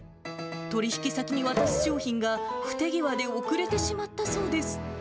取り引き先に渡す商品が、不手際で遅れてしまったそうです。